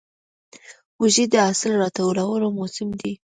وږی د حاصل راټولو موسم دی.